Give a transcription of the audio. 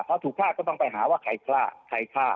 พอถูกฆ่าก็ต้องไปหาว่าใครฆ่าใครฆ่า